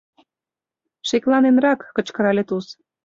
Шекланенрак, — кычкырале Туз.